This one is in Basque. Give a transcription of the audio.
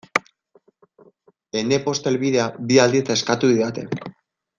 Ene posta helbidea bi aldiz eskatu didate.